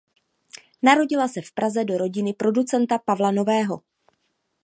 Narodila se v Praze do rodiny producenta Pavla Nového.